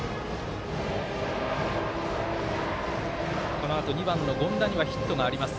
このあと２番の権田にはヒットがあります。